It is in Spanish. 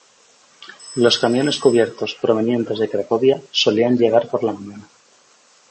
Los camiones cubiertos provenientes de Cracovia solían llegar por la mañana.